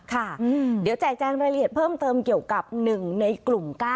ค่ะเดี๋ยวแจกแจงรายละเอียดเพิ่มเติมเกี่ยวกับ๑ในกลุ่ม๙